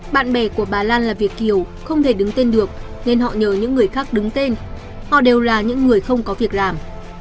bạn bè của bà lan là việt kiều không thể đứng tên được nên họ nhờ những người khác đứng tên họ đều là những người không có việc làm